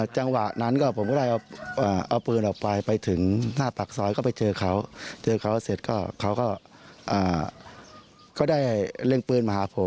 จังหวะนั้นก็ผมก็ได้เอาปืนออกไปไปถึงหน้าปากซอยก็ไปเจอเขาเจอเขาเสร็จเขาก็ได้เร่งปืนมาหาผม